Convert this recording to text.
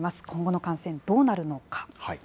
今後の感染、どうなるのか。